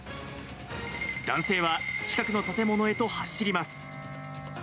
男性は近くの建物へと走ります。